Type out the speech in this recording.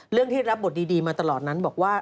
ที่รับบทดีมาตลอดนั้นบอกว่า